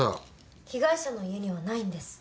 被害者の家にはないんです